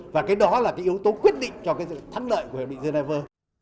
và cái đó là cái yếu tố quyết định cho cái sự thắng đợi của hiệp định geneva